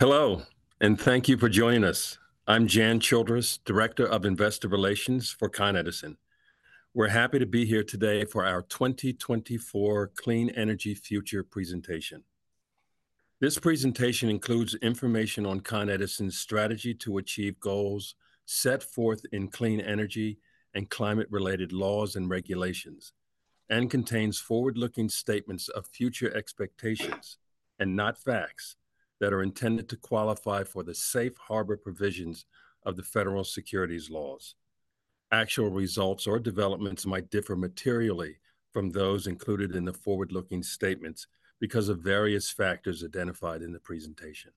Hello, and thank you for joining us. I'm Jan Childress, Director of Investor Relations for Con Edison. We're happy to be here today for our 2024 Clean Energy Future presentation. This presentation includes information on Con Edison's strategy to achieve goals set forth in clean energy and climate-related laws and regulations, and contains forward-looking statements of future expectations, and not facts, that are intended to qualify for the safe harbor provisions of the federal securities laws. Actual results or developments might differ materially from those included in the forward-looking statements because of various factors identified in the presentation.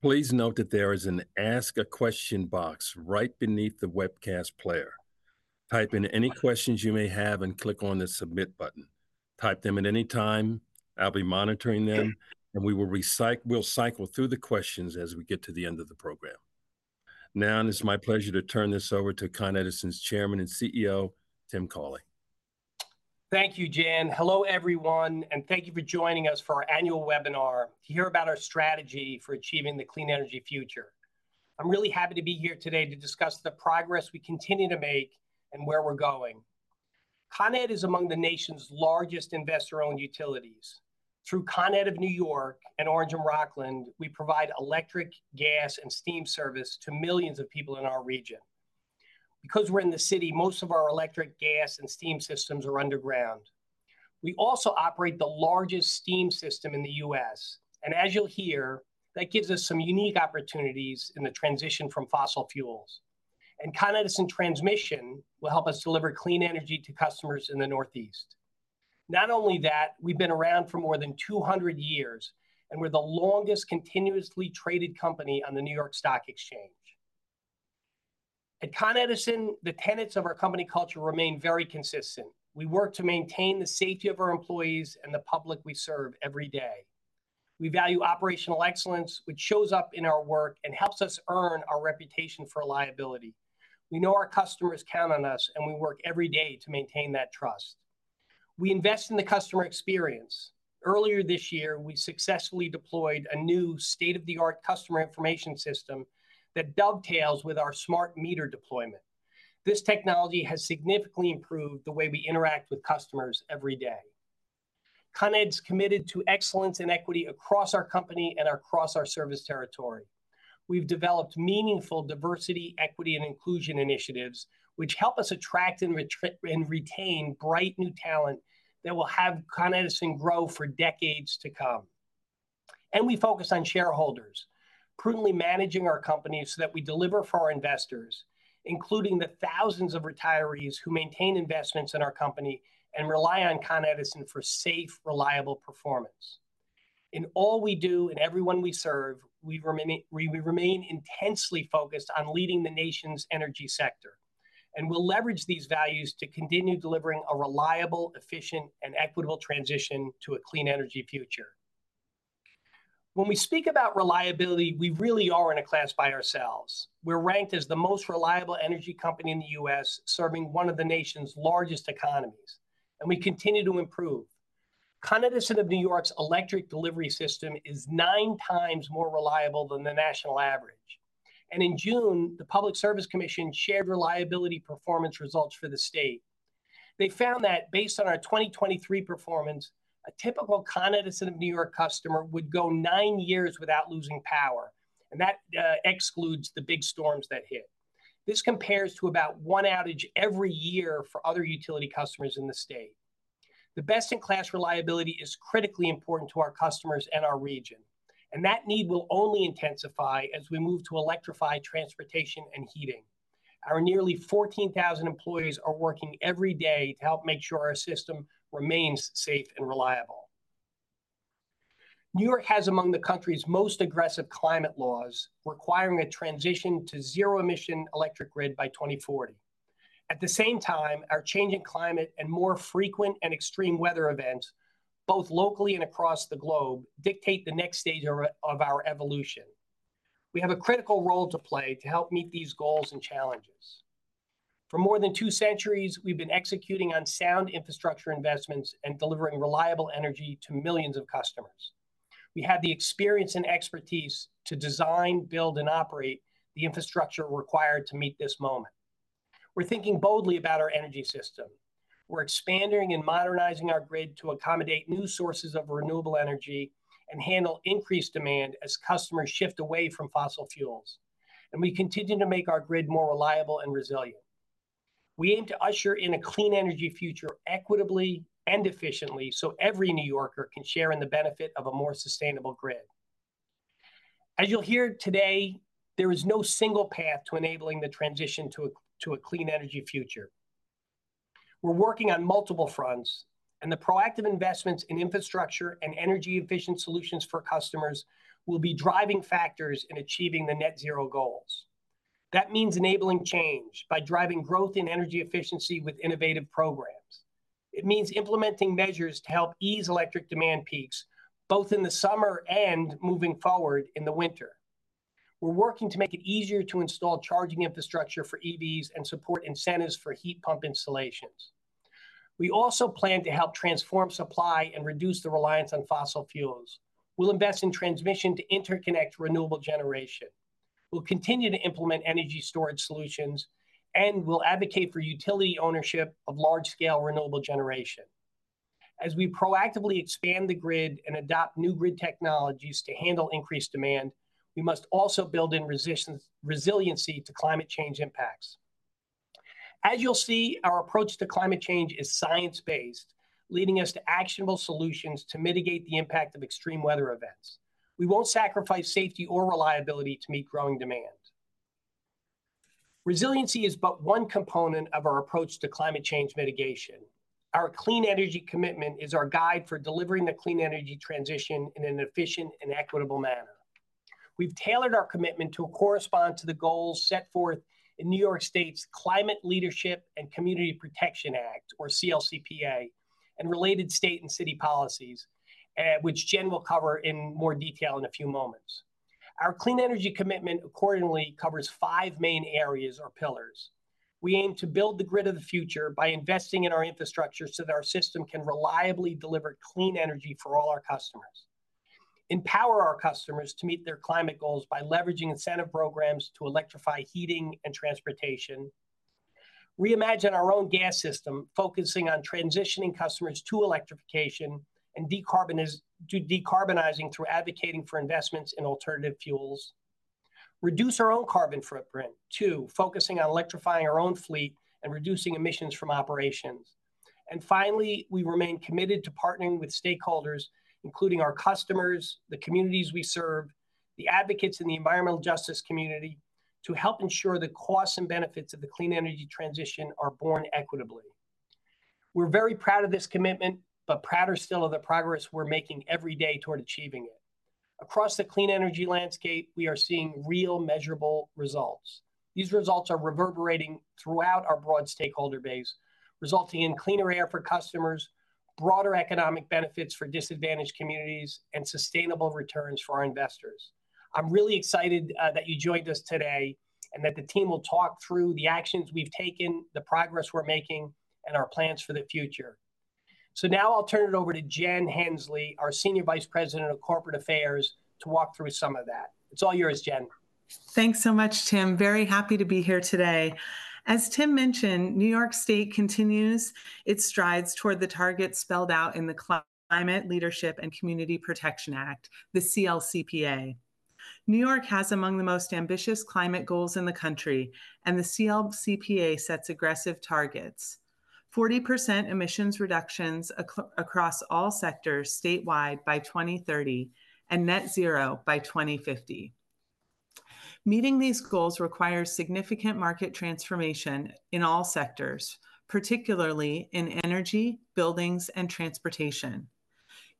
Please note that there is an Ask a Question box right beneath the webcast player. Type in any questions you may have and click on the Submit button. Type them in any time. I'll be monitoring them, and we will we'll cycle through the questions as we get to the end of the program. Now, it is my pleasure to turn this over to Con Edison's Chairman and CEO, Tim Cawley. Thank you, Jan. Hello, everyone, and thank you for joining us for our annual webinar to hear about our strategy for achieving the clean energy future. I'm really happy to be here today to discuss the progress we continue to make and where we're going. Con Ed is among the nation's largest investor-owned utilities. Through Con Ed of New York and Orange and Rockland, we provide electric, gas, and steam service to millions of people in our region. Because we're in the city, most of our electric, gas, and steam systems are underground. We also operate the largest steam system in the U.S., and as you'll hear, that gives us some unique opportunities in the transition from fossil fuels. And Con Edison Transmission will help us deliver clean energy to customers in the Northeast. Not only that, we've been around for more than 200 years, and we're the longest continuously traded company on the New York Stock Exchange. At Con Edison, the tenets of our company culture remain very consistent. We work to maintain the safety of our employees and the public we serve every day. We value operational excellence, which shows up in our work and helps us earn our reputation for reliability. We know our customers count on us, and we work every day to maintain that trust. We invest in the customer experience. Earlier this year, we successfully deployed a new state-of-the-art customer information system that dovetails with our smart meter deployment. This technology has significantly improved the way we interact with customers every day. Con Ed's committed to excellence and equity across our company and across our service territory. We've developed meaningful diversity, equity, and inclusion initiatives, which help us attract and retain bright, new talent that will have Con Edison grow for decades to come. We focus on shareholders, prudently managing our company so that we deliver for our investors, including the thousands of retirees who maintain investments in our company and rely on Con Edison for safe, reliable performance. In all we do and everyone we serve, we remain intensely focused on leading the nation's energy sector, and we'll leverage these values to continue delivering a reliable, efficient, and equitable transition to a clean energy future. When we speak about reliability, we really are in a class by ourselves. We're ranked as the most reliable energy company in the U.S., serving one of the nation's largest economies, and we continue to improve. Con Edison of New York's electric delivery system is nine times more reliable than the national average, and in June, the Public Service Commission shared reliability performance results for the state. They found that based on our 2023 performance, a typical Con Edison of New York customer would go nine years without losing power, and that excludes the big storms that hit. This compares to about one outage every year for other utility customers in the state. The best-in-class reliability is critically important to our customers and our region, and that need will only intensify as we move to electrify transportation and heating. Our nearly 14,000 employees are working every day to help make sure our system remains safe and reliable. New York has among the country's most aggressive climate laws, requiring a transition to zero-emission electric grid by 2040. At the same time, our changing climate and more frequent and extreme weather events, both locally and across the globe, dictate the next stage of our evolution. We have a critical role to play to help meet these goals and challenges. For more than two centuries, we've been executing on sound infrastructure investments and delivering reliable energy to millions of customers. We have the experience and expertise to design, build, and operate the infrastructure required to meet this moment. We're thinking boldly about our energy system. We're expanding and modernizing our grid to accommodate new sources of renewable energy and handle increased demand as customers shift away from fossil fuels, and we continue to make our grid more reliable and resilient. We aim to usher in a clean energy future equitably and efficiently, so every New Yorker can share in the benefit of a more sustainable grid. As you'll hear today, there is no single path to enabling the transition to a clean energy future. We're working on multiple fronts, and the proactive investments in infrastructure and energy-efficient solutions for customers will be driving factors in achieving the net zero goals. That means enabling change by driving growth in energy efficiency with innovative programs. It means implementing measures to help ease electric demand peaks, both in the summer and moving forward in the winter. We're working to make it easier to install charging infrastructure for EVs and support incentives for heat pump installations. We also plan to help transform supply and reduce the reliance on fossil fuels. We'll invest in transmission to interconnect renewable generation. We'll continue to implement energy storage solutions, and we'll advocate for utility ownership of large-scale renewable generation. As we proactively expand the grid and adopt new grid technologies to handle increased demand, we must also build in resiliency to climate change impacts. As you'll see, our approach to climate change is science-based, leading us to actionable solutions to mitigate the impact of extreme weather events. We won't sacrifice safety or reliability to meet growing demand. Resiliency is but one component of our approach to climate change mitigation. Our clean energy commitment is our guide for delivering the clean energy transition in an efficient and equitable manner. We've tailored our commitment to correspond to the goals set forth in New York State's Climate Leadership and Community Protection Act, or CLCPA, and related state and city policies, which Jen will cover in more detail in a few moments. Our clean energy commitment accordingly covers five main areas or pillars. We aim to build the grid of the future by investing in our infrastructure so that our system can reliably deliver clean energy for all our customers. Empower our customers to meet their climate goals by leveraging incentive programs to electrify heating and transportation. Reimagine our own gas system, focusing on transitioning customers to electrification and to decarbonizing through advocating for investments in alternative fuels. Reduce our own carbon footprint, too, focusing on electrifying our own fleet and reducing emissions from operations, and finally we remain committed to partnering with stakeholders, including our customers, the communities we serve, the advocates in the environmental justice community, to help ensure the costs and benefits of the clean energy transition are borne equitably. We're very proud of this commitment, but prouder still of the progress we're making every day toward achieving it. Across the clean energy landscape, we are seeing real, measurable results. These results are reverberating throughout our broad stakeholder base, resulting in cleaner air for customers, broader economic benefits for disadvantaged communities, and sustainable returns for our investors. I'm really excited that you joined us today, and that the team will talk through the actions we've taken, the progress we're making, and our plans for the future. So now I'll turn it over to Jen Hensley, our Senior Vice President of Corporate Affairs, to walk through some of that. It's all yours, Jen. Thanks so much, Tim. Very happy to be here today. As Tim mentioned, New York State continues its strides toward the targets spelled out in the Climate Leadership and Community Protection Act, the CLCPA. New York has among the most ambitious climate goals in the country, and the CLCPA sets aggressive targets: 40% emissions reductions across all sectors statewide by 2030 and net zero by 2050. Meeting these goals requires significant market transformation in all sectors, particularly in energy, buildings, and transportation.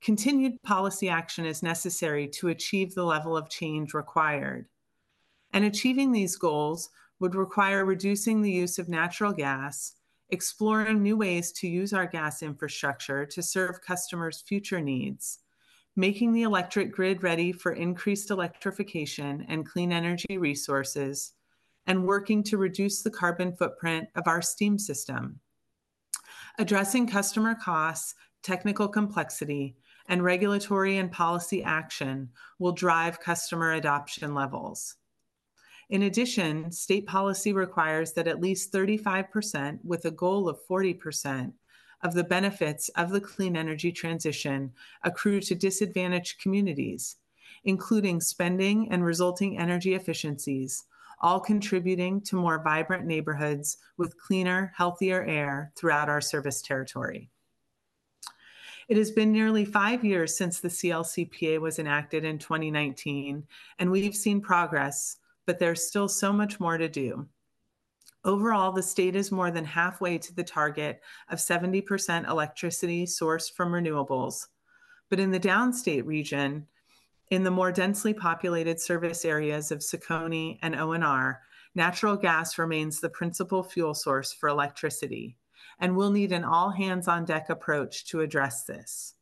Continued policy action is necessary to achieve the level of change required, and achieving these goals would require reducing the use of natural gas, exploring new ways to use our gas infrastructure to serve customers' future needs, making the electric grid ready for increased electrification and clean energy resources, and working to reduce the carbon footprint of our steam system. Addressing customer costs, technical complexity, and regulatory and policy action will drive customer adoption levels. In addition, state policy requires that at least 35%, with a goal of 40%, of the benefits of the clean energy transition accrue to disadvantaged communities, including spending and resulting energy efficiencies, all contributing to more vibrant neighborhoods with cleaner, healthier air throughout our service territory. It has been nearly 5 years since the CLCPA was enacted in 2019, and we've seen progress, but there's still so much more to do. Overall, the state is more than halfway to the target of 70% electricity sourced from renewables. But in the downstate region, in the more densely populated service areas of CECONY and O&R, natural gas remains the principal fuel source for electricity, and we'll need an all-hands-on-deck approach to address this.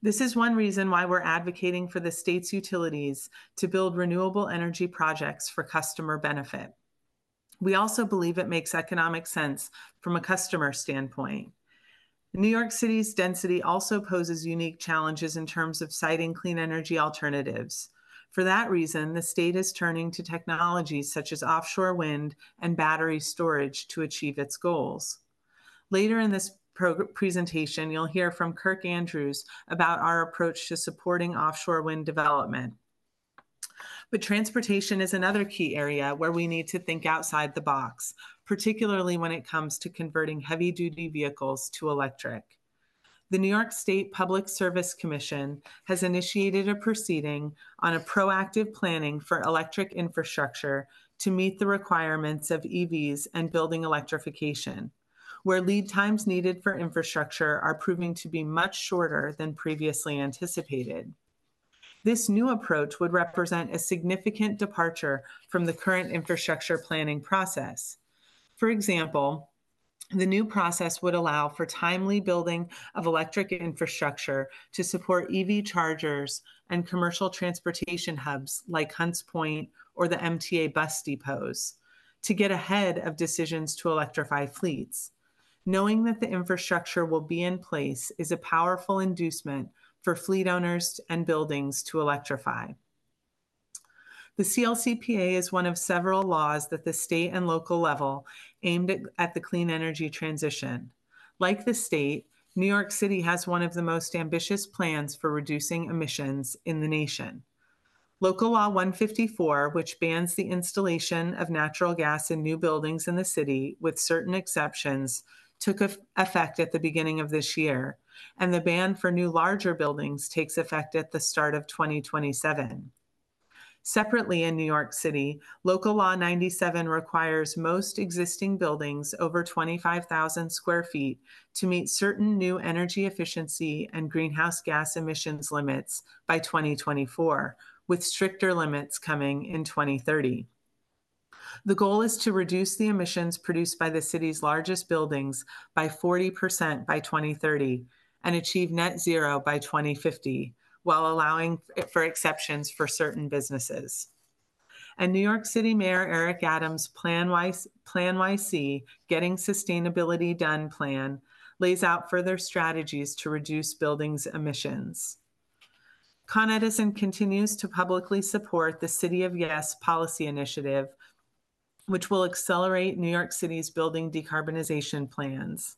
This is one reason why we're advocating for the state's utilities to build renewable energy projects for customer benefit. We also believe it makes economic sense from a customer standpoint. New York City's density also poses unique challenges in terms of siting clean energy alternatives. For that reason, the state is turning to technologies such as offshore wind and battery storage to achieve its goals. Later in this presentation, you'll hear from Kirk Andrews about our approach to supporting offshore wind development. But transportation is another key area where we need to think outside the box, particularly when it comes to converting heavy-duty vehicles to electric. The New York State Public Service Commission has initiated a proceeding on a proactive planning for electric infrastructure to meet the requirements of EVs and building electrification, where lead times needed for infrastructure are proving to be much shorter than previously anticipated. This new approach would represent a significant departure from the current infrastructure planning process. For example, the new process would allow for timely building of electric infrastructure to support EV chargers and commercial transportation hubs, like Hunts Point or the MTA bus depots, to get ahead of decisions to electrify fleets. Knowing that the infrastructure will be in place is a powerful inducement for fleet owners and buildings to electrify. The CLCPA is one of several laws at the state and local level aimed at the clean energy transition. Like the state, New York City has one of the most ambitious plans for reducing emissions in the nation. Local Law 154, which bans the installation of natural gas in new buildings in the city, with certain exceptions, took effect at the beginning of this year, and the ban for new larger buildings takes effect at the start of 2027. Separately, in New York City, Local Law 97 requires most existing buildings over 25,000 sq ft to meet certain new energy efficiency and greenhouse gas emissions limits by 2024, with stricter limits coming in 2030. The goal is to reduce the emissions produced by the city's largest buildings by 40% by 2030, and achieve net zero by 2050, while allowing for exceptions for certain businesses, and New York City Mayor Eric Adams' PlaNYC: Getting Sustainability Done plan lays out further strategies to reduce buildings' emissions. Con Edison continues to publicly support the City of Yes policy initiative, which will accelerate New York City's building decarbonization plans,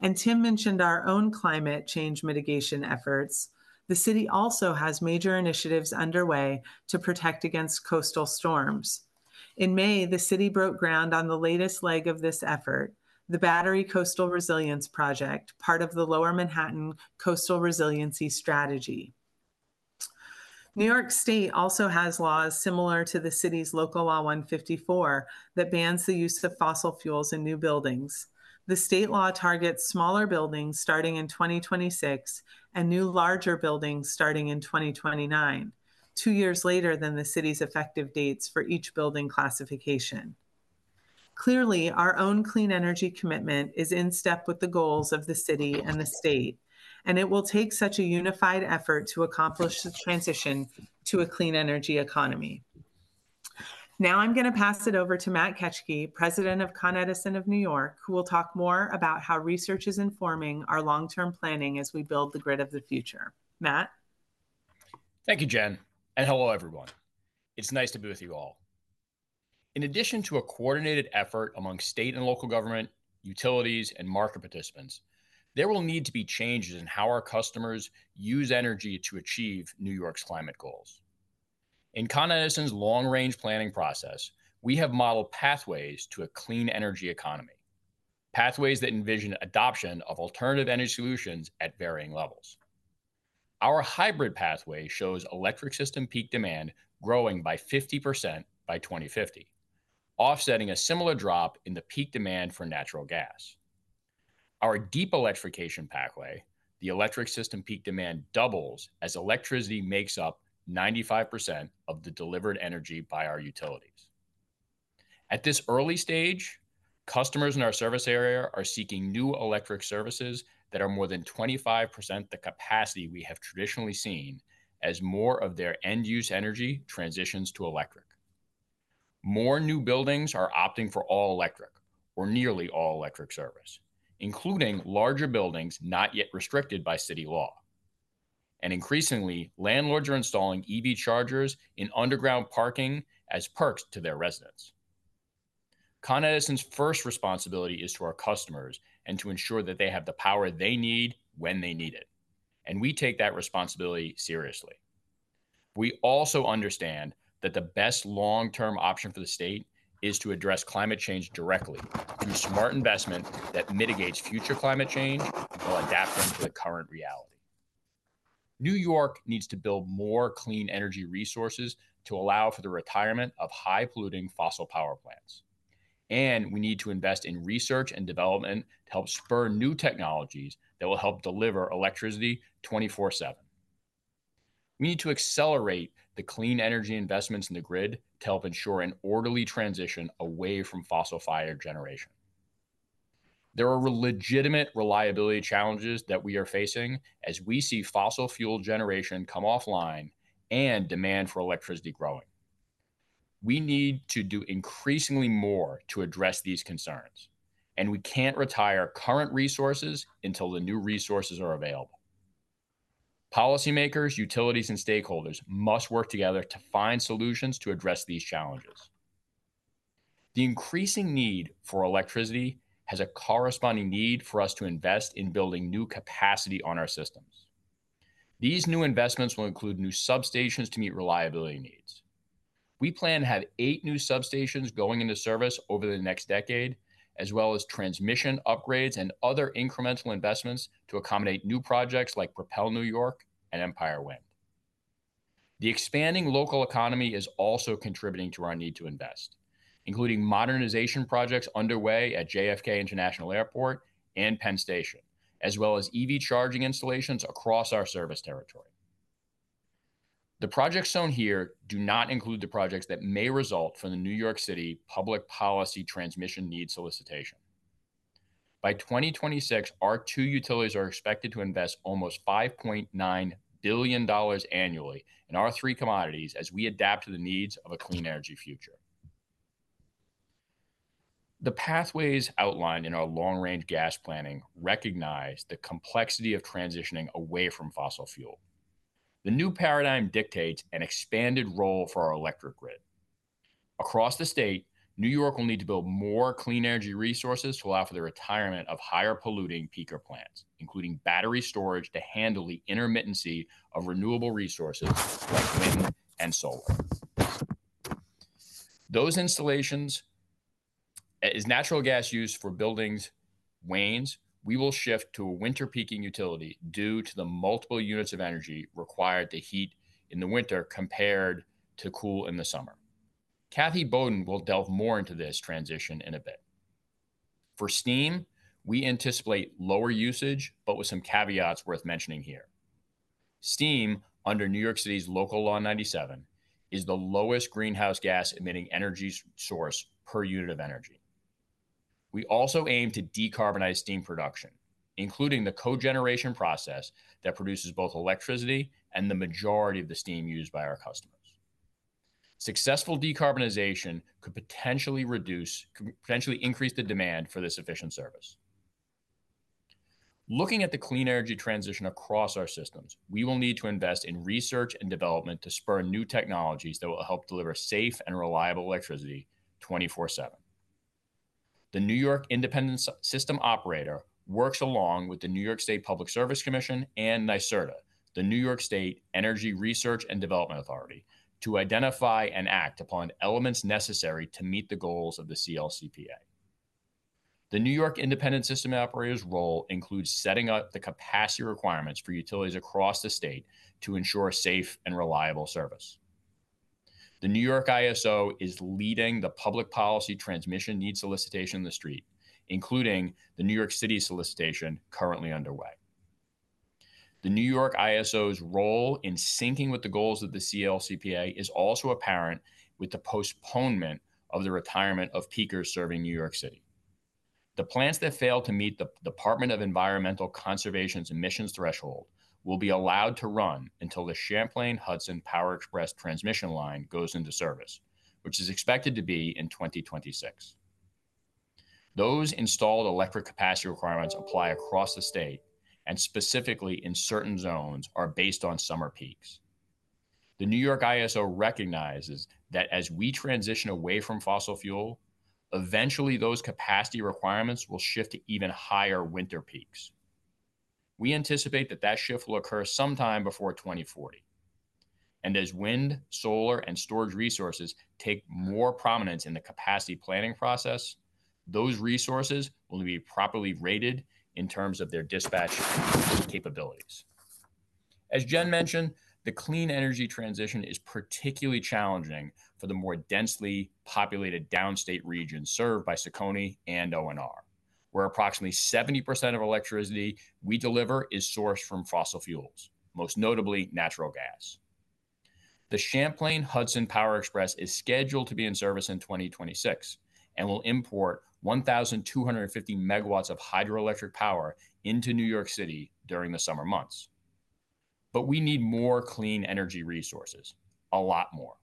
and Tim mentioned our own climate change mitigation efforts. The city also has major initiatives underway to protect against coastal storms. In May, the city broke ground on the latest leg of this effort, the Battery Coastal Resilience Project, part of the Lower Manhattan Coastal Resiliency Strategy. New York State also has laws similar to the city's Local Law 154, that bans the use of fossil fuels in new buildings. The state law targets smaller buildings starting in 2026, and new larger buildings starting in 2029, two years later than the city's effective dates for each building classification. Clearly, our own clean energy commitment is in step with the goals of the city and the state, and it will take such a unified effort to accomplish the transition to a clean energy economy. Now, I'm gonna pass it over to Matt Ketschke, President of Con Edison of New York, who will talk more about how research is informing our long-term planning as we build the grid of the future. Matt? Thank you, Jen, and hello, everyone. It's nice to be with you all. In addition to a coordinated effort among state and local government, utilities, and market participants, there will need to be changes in how our customers use energy to achieve New York's climate goals. In Con Edison's long-range planning process, we have modeled pathways to a clean energy economy, pathways that envision adoption of alternative energy solutions at varying levels. Our hybrid pathway shows electric system peak demand growing by 50% by 2050, offsetting a similar drop in the peak demand for natural gas. Our deep electrification pathway, the electric system peak demand doubles, as electricity makes up 95% of the delivered energy by our utilities. At this early stage, customers in our service area are seeking new electric services that are more than 25% the capacity we have traditionally seen, as more of their end-use energy transitions to electric. More new buildings are opting for all-electric or nearly all-electric service, including larger buildings not yet restricted by city law, and increasingly, landlords are installing EV chargers in underground parking as perks to their residents. Con Edison's first responsibility is to our customers, and to ensure that they have the power they need when they need it, and we take that responsibility seriously. We also understand that the best long-term option for the state is to address climate change directly, through smart investment that mitigates future climate change while adapting to the current reality. New York needs to build more clean energy resources to allow for the retirement of high-polluting fossil power plants, and we need to invest in research and development to help spur new technologies that will help deliver electricity 24/7. We need to accelerate the clean energy investments in the grid to help ensure an orderly transition away from fossil-fired generation. There are legitimate reliability challenges that we are facing, as we see fossil fuel generation come offline and demand for electricity growing. We need to do increasingly more to address these concerns, and we can't retire current resources until the new resources are available. Policy makers, utilities, and stakeholders must work together to find solutions to address these challenges. The increasing need for electricity has a corresponding need for us to invest in building new capacity on our systems. These new investments will include new substations to meet reliability needs. We plan to have eight new substations going into service over the next decade, as well as transmission upgrades and other incremental investments to accommodate new projects, like Propel New York and Empire Wind. The expanding local economy is also contributing to our need to invest, including modernization projects underway at JFK International Airport and Penn Station, as well as EV charging installations across our service territory. The projects shown here do not include the projects that may result from the New York City Public Policy Transmission Need Solicitation. By 2026, our two utilities are expected to invest almost $5.9 billion annually in our three commodities, as we adapt to the needs of a clean energy future. The pathways outlined in our long-range gas planning recognize the complexity of transitioning away from fossil fuel. The new paradigm dictates an expanded role for our electric grid. Across the state, New York will need to build more clean energy resources to allow for the retirement of higher polluting peaker plants, including battery storage to handle the intermittency of renewable resources, like wind and solar. Those installations, as natural gas use for buildings wanes, we will shift to a winter peaking utility, due to the multiple units of energy required to heat in the winter, compared to cool in the summer. Kathy Boden will delve more into this transition in a bit. For steam, we anticipate lower usage, but with some caveats worth mentioning here. Steam, under New York City's Local Law 97, is the lowest greenhouse gas-emitting energy source per unit of energy. We also aim to decarbonize steam production, including the cogeneration process that produces both electricity and the majority of the steam used by our customers. Successful decarbonization could potentially reduce, potentially increase the demand for this efficient service. Looking at the clean energy transition across our systems, we will need to invest in research and development to spur new technologies that will help deliver safe and reliable electricity 24/7. The New York Independent System Operator works along with the New York State Public Service Commission and NYSERDA, the New York State Energy Research and Development Authority, to identify and act upon elements necessary to meet the goals of the CLCPA. The New York Independent System Operator's role includes setting up the capacity requirements for utilities across the state to ensure safe and reliable service. The New York ISO is leading the Public Policy Transmission Needs Solicitation process, including the New York City solicitation currently underway. The New York ISO's role in syncing with the goals of the CLCPA is also apparent with the postponement of the retirement of peakers serving New York City. The plants that fail to meet the Department of Environmental Conservation's emissions threshold will be allowed to run until the Champlain Hudson Power Express transmission line goes into service, which is expected to be in 2026. Those installed electric capacity requirements apply across the state, and specifically in certain zones, are based on summer peaks. The New York ISO recognizes that as we transition away from fossil fuel, eventually those capacity requirements will shift to even higher winter peaks. We anticipate that that shift will occur sometime before 2040, and as wind, solar, and storage resources take more prominence in the capacity planning process, those resources will be properly rated in terms of their dispatch capabilities. As Jen mentioned, the clean energy transition is particularly challenging for the more densely populated downstate region served by CECONY and O&R, where approximately 70% of electricity we deliver is sourced from fossil fuels, most notably natural gas. The Champlain Hudson Power Express is scheduled to be in service in 2026, and will import 1,250 megawatts of hydroelectric power into New York City during the summer months. But we need more clean energy resources, a lot more,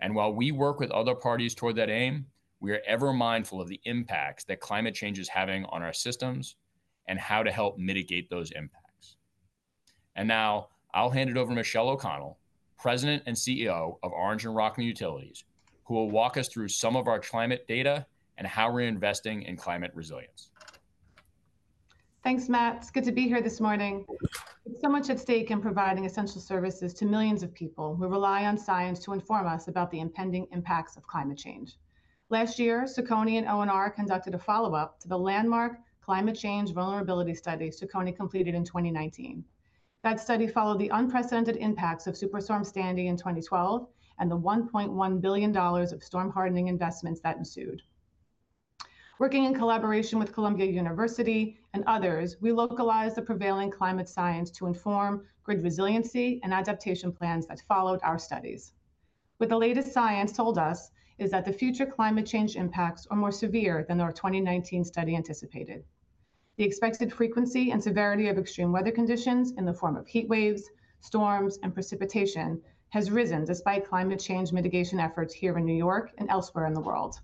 and while we work with other parties toward that aim, we are ever mindful of the impacts that climate change is having on our systems, and how to help mitigate those impacts. Now, I'll hand it over to Michele O’Connell, President and CEO of Orange and Rockland Utilities, who will walk us through some of our climate data and how we're investing in climate resilience. Thanks, Matt. It's good to be here this morning. There's so much at stake in providing essential services to millions of people who rely on science to inform us about the impending impacts of climate change. Last year, CECONY and O&R conducted a follow-up to the landmark Climate Change Vulnerability Study CECONY completed in 2019. That study followed the unprecedented impacts of Superstorm Sandy in 2012, and the $1.1 billion of storm hardening investments that ensued. Working in collaboration with Columbia University and others, we localized the prevailing climate science to inform grid resiliency and adaptation plans that followed our studies. What the latest science told us, is that the future climate change impacts are more severe than our 2019 study anticipated. The expected frequency and severity of extreme weather conditions, in the form of heat waves, storms, and precipitation, has risen despite climate change mitigation efforts here in New York and elsewhere in the world,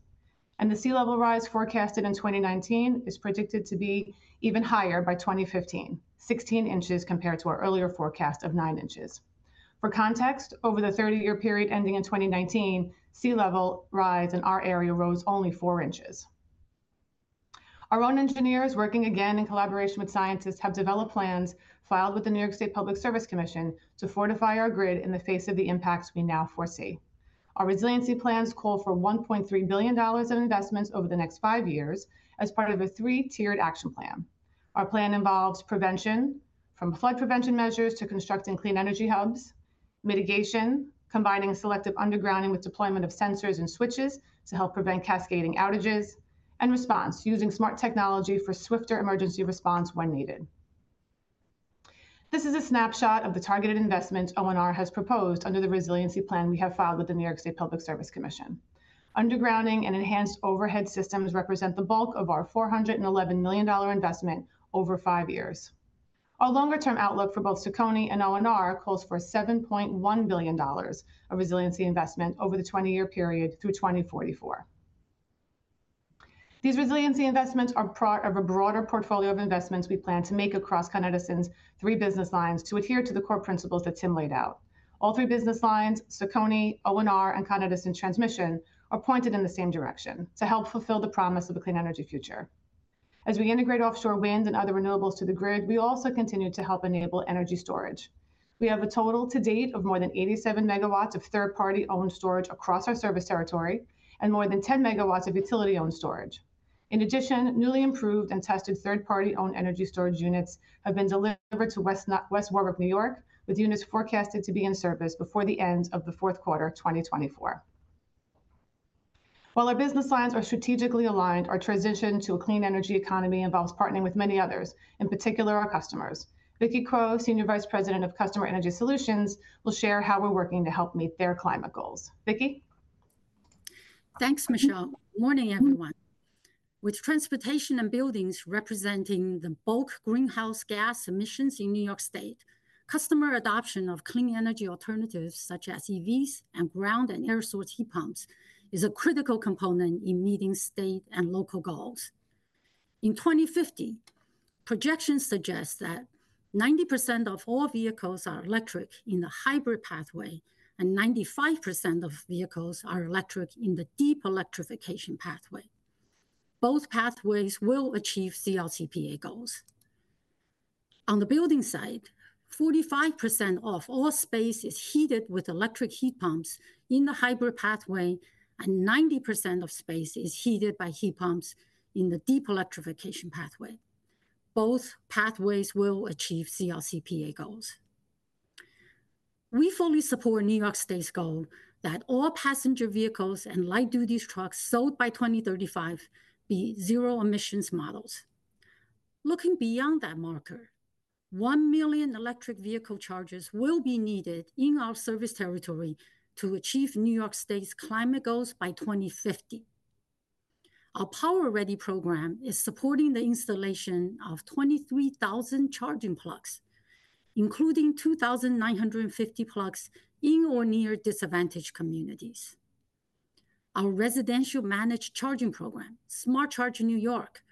and the sea level rise forecasted in 2019 is predicted to be even higher by 2015, 16 inches compared to our earlier forecast of nine inches. For context, over the 30-year period ending in 2019, sea level rise in our area rose only four inches. Our own engineers, working again in collaboration with scientists, have developed plans filed with the New York State Public Service Commission to fortify our grid in the face of the impacts we now foresee. Our resiliency plans call for $1.3 billion of investments over the next five years as part of a three-tiered action plan. Our plan involves prevention, from flood prevention measures to constructing clean energy hubs, mitigation, combining selective undergrounding with deployment of sensors and switches to help prevent cascading outages... and response, using smart technology for swifter emergency response when needed. This is a snapshot of the targeted investments O&R has proposed under the resiliency plan we have filed with the New York State Public Service Commission. Undergrounding and enhanced overhead systems represent the bulk of our $411 million investment over five years. Our longer-term outlook for both CECONY and O&R calls for $7.1 billion of resiliency investment over the twenty-year period through 2044. These resiliency investments are part of a broader portfolio of investments we plan to make across Con Edison's three business lines to adhere to the core principles that Tim laid out. All three business lines, CECONY, O&R, and Con Edison Transmission, are pointed in the same direction, to help fulfill the promise of a clean energy future. As we integrate offshore wind and other renewables to the grid, we also continue to help enable energy storage. We have a total to date of more than 87 MW of third-party-owned storage across our service territory, and more than 10 MW of utility-owned storage. In addition, newly improved and tested third-party-owned energy storage units have been delivered to West Warwick, New York, with units forecasted to be in service before the end of the fourth quarter 2024. While our business lines are strategically aligned, our transition to a clean energy economy involves partnering with many others, in particular, our customers. Vicki Kuo, Senior Vice President of Customer Energy Solutions, will share how we're working to help meet their climate goals. Vicky? Thanks, Michelle. Morning, everyone. With transportation and buildings representing the bulk greenhouse gas emissions in New York State, customer adoption of clean energy alternatives, such as EVs and ground and air source heat pumps, is a critical component in meeting state and local goals. In 2050, projections suggest that 90% of all vehicles are electric in the hybrid pathway, and 95% of vehicles are electric in the deep electrification pathway. Both pathways will achieve CLCPA goals. On the building side, 45% of all space is heated with electric heat pumps in the hybrid pathway, and 90% of space is heated by heat pumps in the deep electrification pathway. Both pathways will achieve CLCPA goals. We fully support New York State's goal that all passenger vehicles and light-duty trucks sold by 2035 be zero-emissions models. Looking beyond that marker, 1 million electric vehicle chargers will be needed in our service territory to achieve New York State's climate goals by 2050. Our PowerReady program is supporting the installation of 23,000 charging plugs, including 2,950 plugs in or near disadvantaged communities. Our residential managed charging program, Smart Charge New York,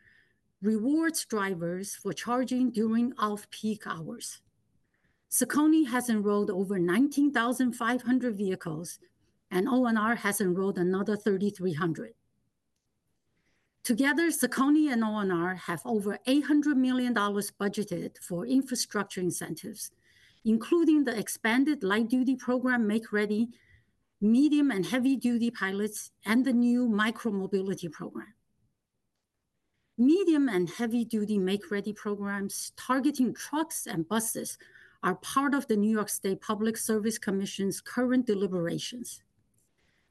rewards drivers for charging during off-peak hours. CECONY has enrolled over 19,500 vehicles, and O&R has enrolled another 3,300. Together, CECONY and O&R have over $800 million budgeted for infrastructure incentives, including the expanded light-duty program Make-Ready, medium and heavy-duty pilots, and the new micro-mobility program. Medium and heavy-duty Make-Ready programs targeting trucks and buses are part of the New York State Public Service Commission's current deliberations.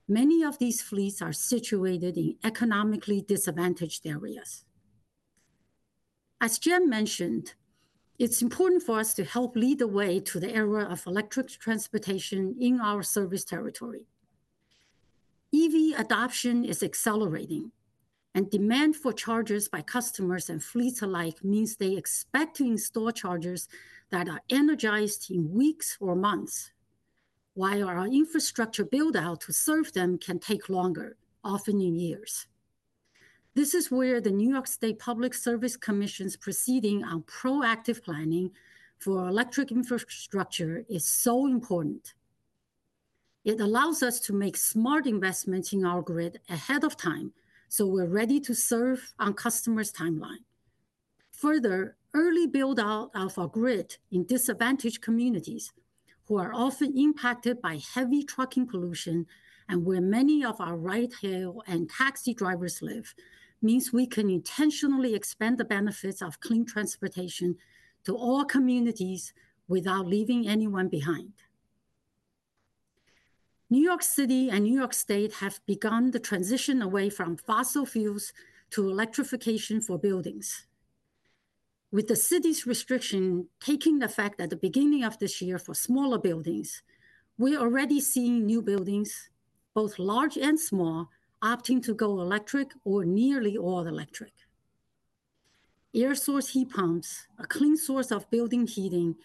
Many of these fleets are situated in economically disadvantaged areas. As Tim mentioned, it's important for us to help lead the way to the era of electric transportation in our service territory. EV adoption is accelerating, and demand for chargers by customers and fleets alike means they expect to install chargers that are energized in weeks or months, while our infrastructure build-out to serve them can take longer, often in years. This is where the New York State Public Service Commission's proceeding on proactive planning for electric infrastructure is so important. It allows us to make smart investments in our grid ahead of time, so we're ready to serve on customers' timeline. Further, early build-out of our grid in disadvantaged communities, who are often impacted by heavy trucking pollution and where many of our ride-hail and taxi drivers live, means we can intentionally expand the benefits of clean transportation to all communities without leaving anyone behind. New York City and New York State have begun the transition away from fossil fuels to electrification for buildings. With the city's restriction taking effect at the beginning of this year for smaller buildings, we are already seeing new buildings, both large and small, opting to go electric or nearly all electric. Air source heat pumps, a clean source of building heating,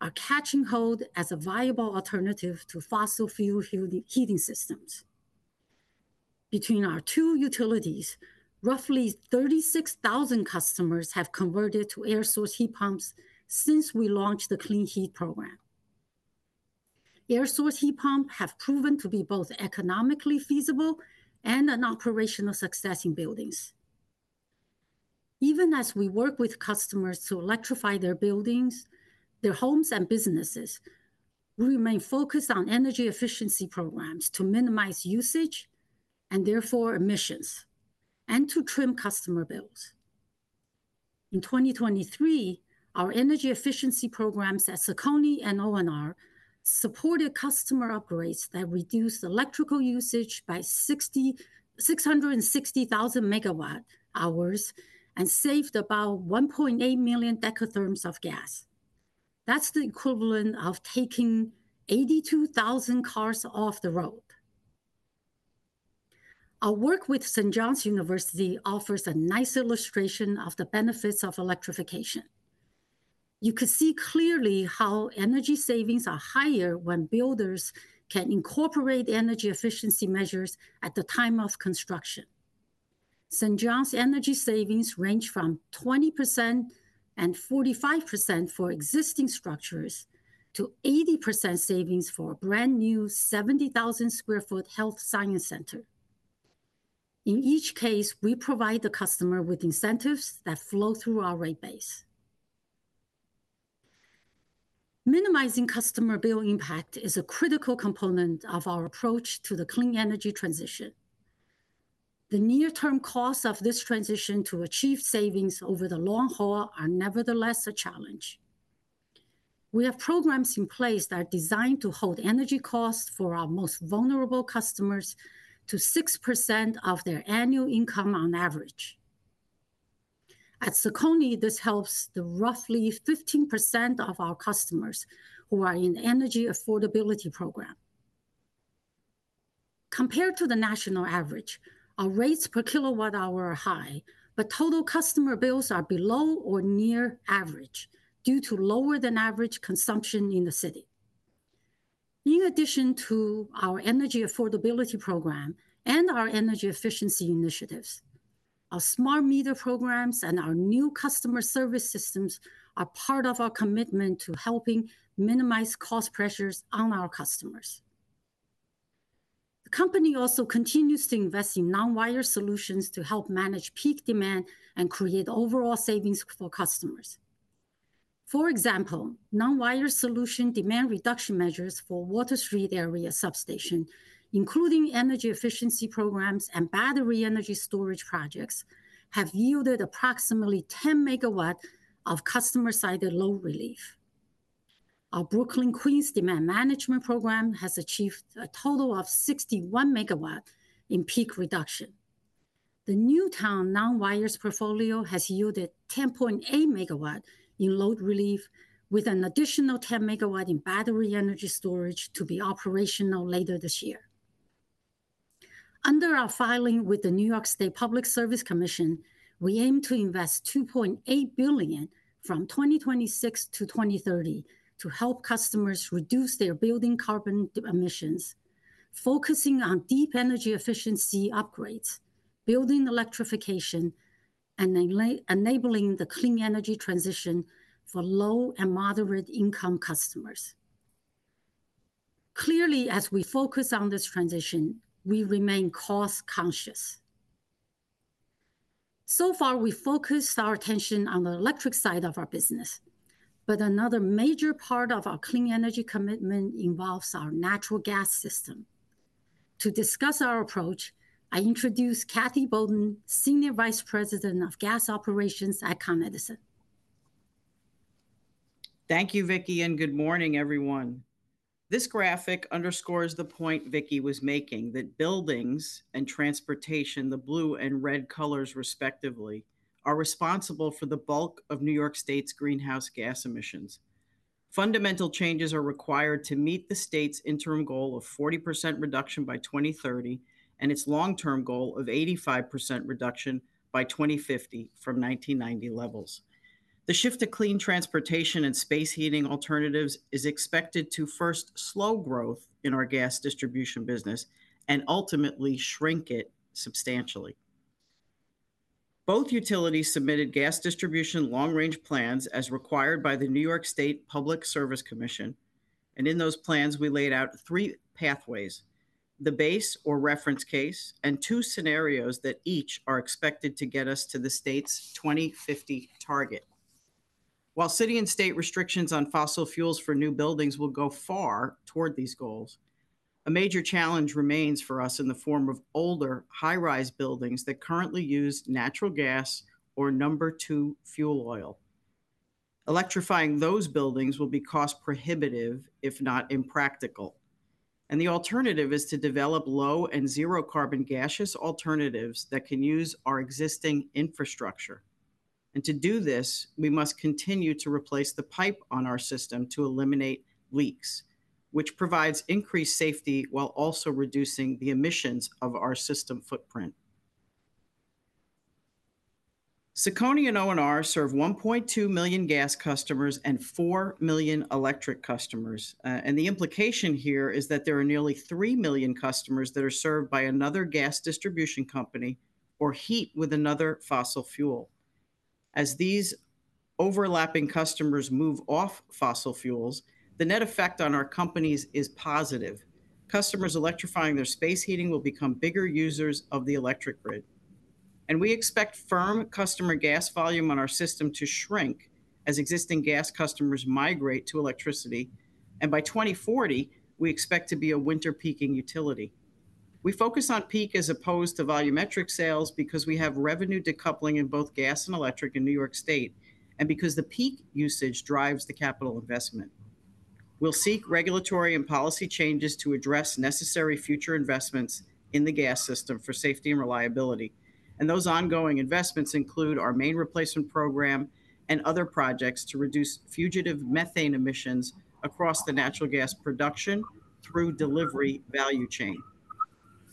are catching hold as a viable alternative to fossil fuel heating systems. Between our two utilities, roughly thirty-six thousand customers have converted to air source heat pumps since we launched the Clean Heat Program. Air source heat pumps have proven to be both economically feasible and an operational success in buildings. Even as we work with customers to electrify their buildings, their homes, and businesses, we remain focused on energy efficiency programs to minimize usage, and therefore emissions, and to trim customer bills. In 2023, our energy efficiency programs at CECONY and O&R supported customer upgrades that reduced electrical usage by 6,660,000 megawatt hours, and saved about 1.8 million dekatherms of gas. That's the equivalent of taking 82,000 cars off the road. Our work with St. John's University offers a nice illustration of the benefits of electrification. You could see clearly how energy savings are higher when builders can incorporate energy efficiency measures at the time of construction. St. John's energy savings range from 20%-45% for existing structures, to 80% savings for a brand-new 70,000-sq-ft health science center. In each case, we provide the customer with incentives that flow through our rate base. Minimizing customer bill impact is a critical component of our approach to the clean energy transition. The near-term costs of this transition to achieve savings over the long haul are nevertheless a challenge. We have programs in place that are designed to hold energy costs for our most vulnerable customers to 6% of their annual income on average. At CECONY, this helps the roughly 15% of our customers who are in Energy Affordability program. Compared to the national average, our rates per kilowatt hour are high, but total customer bills are below or near average due to lower than average consumption in the city. In addition to our Energy Affordability program and our energy efficiency initiatives, our smart meter programs and our new customer service systems are part of our commitment to helping minimize cost pressures on our customers. The company also continues to invest in non-wires solutions to help manage peak demand and create overall savings for customers. For example, non-wires solution demand reduction measures for Water Street area substation, including energy efficiency programs and battery energy storage projects, have yielded approximately 10 megawatts of customer-sided load relief. Our Brooklyn-Queens Demand Management Program has achieved a total of 61 megawatts in peak reduction. The Newtown non-wires portfolio has yielded 10.8 megawatts in load relief, with an additional 10 MW in battery energy storage to be operational later this year. Under our filing with the New York State Public Service Commission, we aim to invest $2.8 billion from 2026-2030 to help customers reduce their building carbon emissions, focusing on deep energy efficiency upgrades, building electrification, and enabling the clean energy transition for low and moderate-income customers. Clearly, as we focus on this transition, we remain cost-conscious. So far, we focused our attention on the electric side of our business, but another major part of our clean energy commitment involves our natural gas system. To discuss our approach, I introduce Cathy Boden, Senior Vice President of Gas Operations at Con Edison. Thank you, Vicki, and good morning, everyone. This graphic underscores the point Vicki was making, that buildings and transportation, the blue and red colors respectively, are responsible for the bulk of New York State's greenhouse gas emissions. Fundamental changes are required to meet the state's interim goal of 40% reduction by 2030, and its long-term goal of 85% reduction by 2050 from 1990 levels. The shift to clean transportation and space heating alternatives is expected to first slow growth in our gas distribution business and ultimately shrink it substantially. Both utilities submitted gas distribution long-range plans as required by the New York State Public Service Commission, and in those plans, we laid out three pathways: the base or reference case, and two scenarios that each are expected to get us to the state's 2050 target. While city and state restrictions on fossil fuels for new buildings will go far toward these goals, a major challenge remains for us in the form of older, high-rise buildings that currently use natural gas or number two fuel oil. Electrifying those buildings will be cost prohibitive, if not impractical, and the alternative is to develop low and zero-carbon gaseous alternatives that can use our existing infrastructure. And to do this, we must continue to replace the pipe on our system to eliminate leaks, which provides increased safety while also reducing the emissions of our system footprint. CECONY and O&R serve 1.2 million gas customers and 4 million electric customers. And the implication here is that there are nearly 3 million customers that are served by another gas distribution company or heat with another fossil fuel. As these overlapping customers move off fossil fuels, the net effect on our companies is positive. Customers electrifying their space heating will become bigger users of the electric grid, and we expect firm customer gas volume on our system to shrink as existing gas customers migrate to electricity, and by 2040, we expect to be a winter peaking utility. We focus on peak as opposed to volumetric sales because we have revenue decoupling in both gas and electric in New York State, and because the peak usage drives the capital investment. We'll seek regulatory and policy changes to address necessary future investments in the gas system for safety and reliability, and those ongoing investments include our main replacement program and other projects to reduce fugitive methane emissions across the natural gas production through delivery value chain.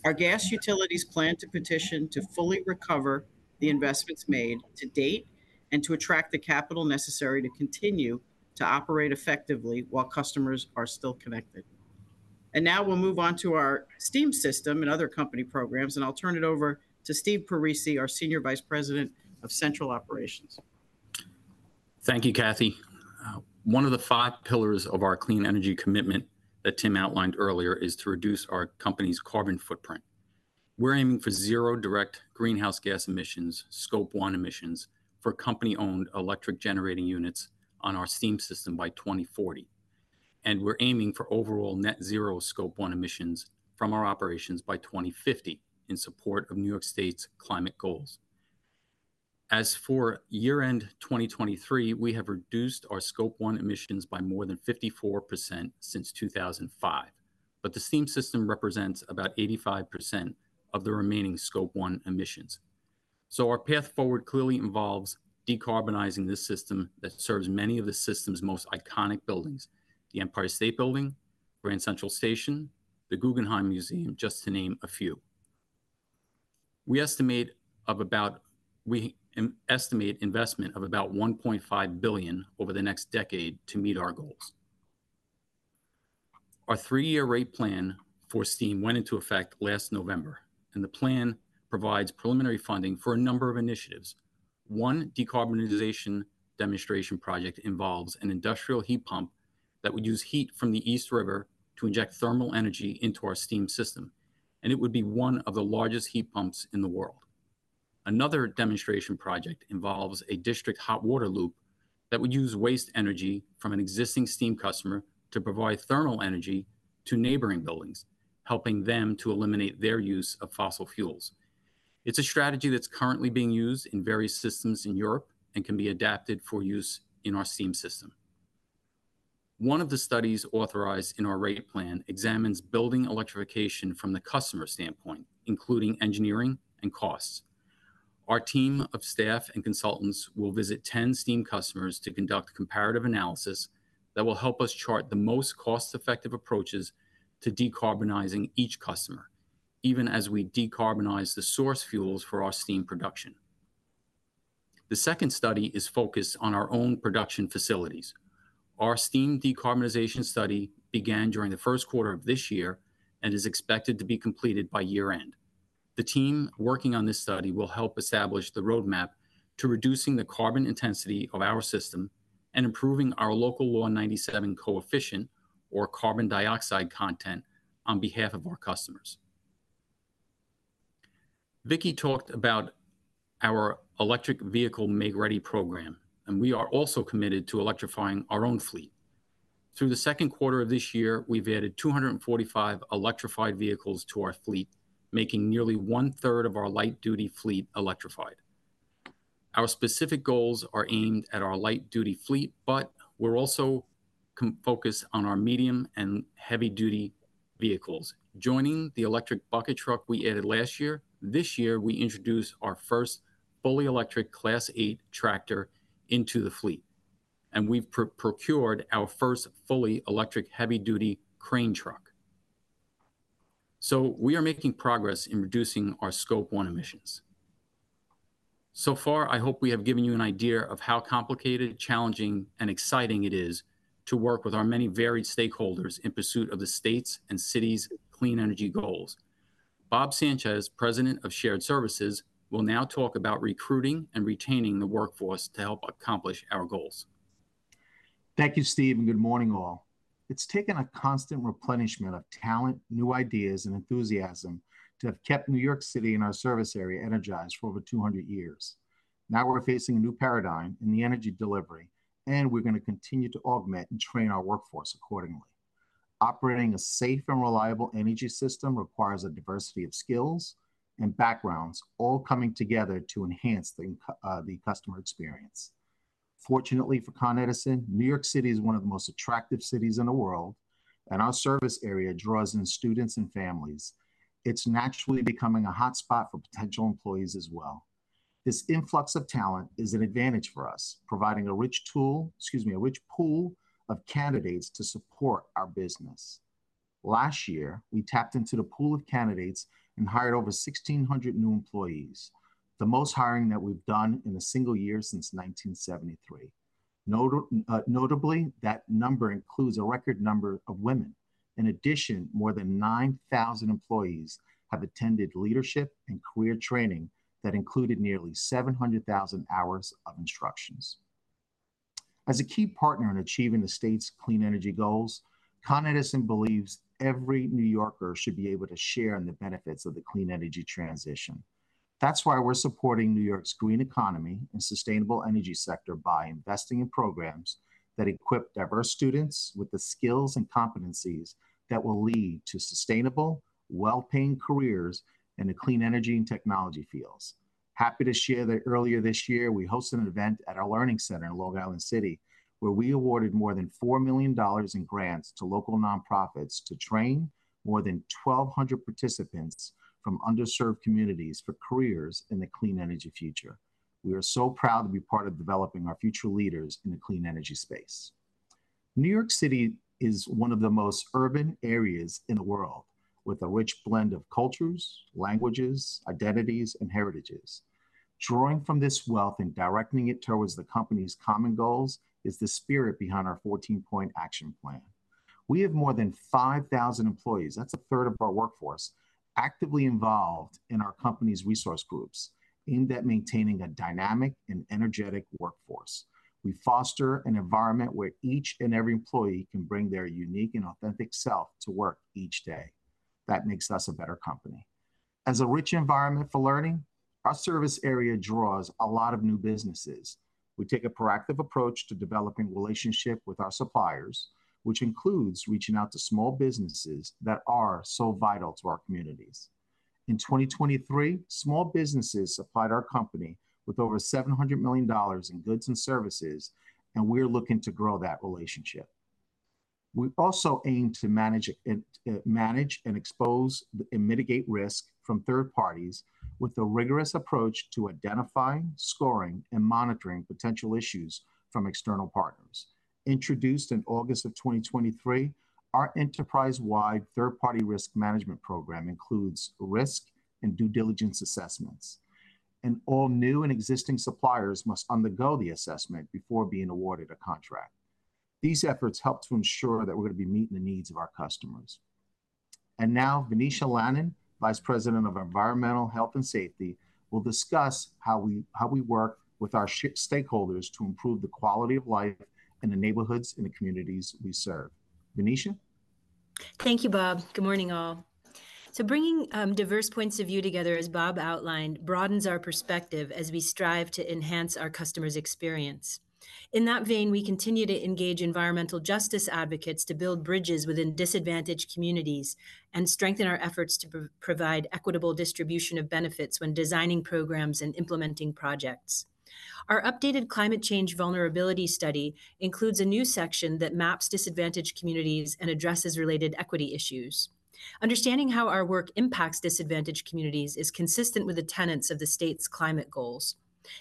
Our gas utilities plan to petition to fully recover the investments made to date, and to attract the capital necessary to continue to operate effectively while customers are still connected, and now we'll move on to our steam system and other company programs, and I'll turn it over to Steve Parisi, our Senior Vice President of Central Operations. Thank you, Cathy. One of the five pillars of our clean energy commitment that Tim outlined earlier is to reduce our company's carbon footprint. We're aiming for zero direct greenhouse gas emissions, Scope 1 emissions, for company-owned electric generating units on our steam system by 2040. And we're aiming for overall net zero Scope 1 emissions from our operations by 2050, in support of New York State's climate goals. As for year-end 2023, we have reduced our Scope 1 emissions by more than 54% since 2005, but the steam system represents about 85% of the remaining Scope 1 emissions. So our path forward clearly involves decarbonizing this system that serves many of the system's most iconic buildings: the Empire State Building, Grand Central Station, the Guggenheim Museum, just to name a few. We estimate of about... We estimate investment of about $1.5 billion over the next decade to meet our goals. Our three-year rate plan for steam went into effect last November, and the plan provides preliminary funding for a number of initiatives. One decarbonization demonstration project involves an industrial heat pump that would use heat from the East River to inject thermal energy into our steam system, and it would be one of the largest heat pumps in the world. Another demonstration project involves a district hot water loop that would use waste energy from an existing steam customer to provide thermal energy to neighboring buildings, helping them to eliminate their use of fossil fuels. It's a strategy that's currently being used in various systems in Europe and can be adapted for use in our steam system. One of the studies authorized in our rate plan examines building electrification from the customer standpoint, including engineering and costs. Our team of staff and consultants will visit ten steam customers to conduct comparative analysis that will help us chart the most cost-effective approaches to decarbonizing each customer, even as we decarbonize the source fuels for our steam production. The second study is focused on our own production facilities. Our steam decarbonization study began during the first quarter of this year and is expected to be completed by year-end. The team working on this study will help establish the roadmap to reducing the carbon intensity of our system and improving our Local Law 97 coefficient or carbon dioxide content on behalf of our customers. Vicky talked about our electric vehicle Make-Ready program, and we are also committed to electrifying our own fleet. Through the second quarter of this year, we've added 245 electrified vehicles to our fleet, making nearly one-third of our light-duty fleet electrified. Our specific goals are aimed at our light-duty fleet, but we're also committed, focused on our medium- and heavy-duty vehicles. Joining the electric bucket truck we added last year, this year we introduced our first fully electric Class 8 tractor into the fleet, and we've procured our first fully electric heavy-duty crane truck. So we are making progress in reducing our Scope 1 emissions. So far, I hope we have given you an idea of how complicated, challenging, and exciting it is to work with our many varied stakeholders in pursuit of the states and cities' clean energy goals. Bob Sanchez, President of Shared Services, will now talk about recruiting and retaining the workforce to help accomplish our goals. Thank you, Steve, and good morning, all. It's taken a constant replenishment of talent, new ideas, and enthusiasm to have kept New York City and our service area energized for over two hundred years. Now, we're facing a new paradigm in the energy delivery, and we're going to continue to augment and train our workforce accordingly. Operating a safe and reliable energy system requires a diversity of skills and backgrounds, all coming together to enhance the customer experience. Fortunately for Con Edison, New York City is one of the most attractive cities in the world, and our service area draws in students and families. It's naturally becoming a hotspot for potential employees as well. This influx of talent is an advantage for us, providing a rich tool, excuse me, a rich pool of candidates to support our business. Last year, we tapped into the pool of candidates and hired over 1,600 new employees, the most hiring that we've done in a single year since 1973. Notably, that number includes a record number of women. In addition, more than 9,000 employees have attended leadership and career training that included nearly 700,000 hours of instructions. As a key partner in achieving the state's clean energy goals, Con Edison believes every New Yorker should be able to share in the benefits of the clean energy transition. That's why we're supporting New York's green economy and sustainable energy sector by investing in programs that equip diverse students with the skills and competencies that will lead to sustainable, well-paying careers in the clean energy and technology fields. Happy to share that earlier this year, we hosted an event at our learning center in Long Island City, where we awarded more than $4 million in grants to local nonprofits to train more than 1,200 participants from underserved communities for careers in the clean energy future. We are so proud to be part of developing our future leaders in the clean energy space. New York City is one of the most urban areas in the world, with a rich blend of cultures, languages, identities, and heritages. Drawing from this wealth and directing it towards the company's common goals is the spirit behind our 14-point action plan. We have more than 5,000 employees, that's a third of our workforce, actively involved in our company's resource groups, aimed at maintaining a dynamic and energetic workforce. We foster an environment where each and every employee can bring their unique and authentic self to work each day. That makes us a better company. As a rich environment for learning, our service area draws a lot of new businesses. We take a proactive approach to developing relationships with our suppliers, which includes reaching out to small businesses that are so vital to our communities. In 2023, small businesses supplied our company with over $700 million in goods and services, and we're looking to grow that relationship. We also aim to manage, assess, and mitigate risk from third parties with a rigorous approach to identifying, scoring, and monitoring potential issues from external partners. Introduced in August of 2023, our enterprise-wide third-party risk management program includes risk and due diligence assessments, and all new and existing suppliers must undergo the assessment before being awarded a contract. These efforts help to ensure that we're going to be meeting the needs of our customers. And now, Venetia Lannon, Vice President of Environmental Health and Safety, will discuss how we work with our stakeholders to improve the quality of life in the neighborhoods and the communities we serve. Venetia? Thank you, Bob. Good morning, all. So bringing diverse points of view together, as Bob outlined, broadens our perspective as we strive to enhance our customer's experience. In that vein, we continue to engage environmental justice advocates to build bridges within disadvantaged communities and strengthen our efforts to provide equitable distribution of benefits when designing programs and implementing projects. Our updated climate change vulnerability study includes a new section that maps disadvantaged communities and addresses related equity issues. Understanding how our work impacts disadvantaged communities is consistent with the tenets of the state's climate goals.